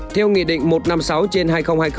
theo nghị định một trăm năm mươi sáu trên hà nội